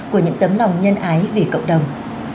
của những tấm lòng nhân ái về cộng đồng